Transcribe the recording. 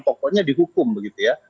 pokoknya dihukum begitu ya